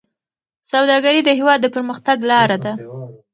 سوداګري د هېواد د پرمختګ لاره ده.